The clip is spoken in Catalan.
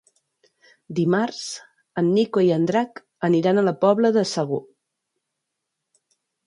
Dimarts en Nico i en Drac aniran a la Pobla de Segur.